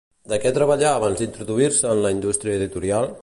De què treballà abans d'introduir-se en la indústria editorial?